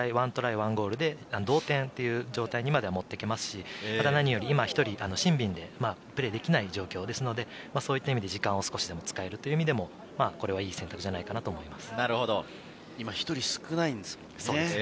１ゴールで同点という状態にまでは持っていきますし、何より今１人、シンビンでプレーできない状況ですので、そういった意味で時間を少しでも使えるという意味でもこれはいい選択じゃないかなと思います。